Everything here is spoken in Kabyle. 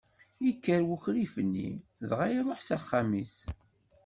Ikker wukrif-nni, dɣa iṛuḥ s axxam-is.